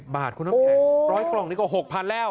๖๐บาทคุณน้ำแข็งร้อยกล่องนี้ก็๖๐๐๐บาทแล้ว